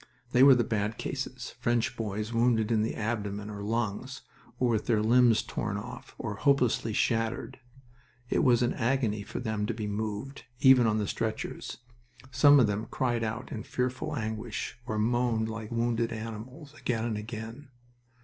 They were the bad cases French boys wounded in the abdomen or lungs, or with their limbs torn off, or hopelessly shattered. It was an agony for them to be moved, even on the stretchers. Some of them cried out in fearful anguish, or moaned like wounded animals, again and again.